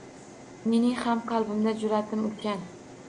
Mening ham qalbimda jur’atim ulkan.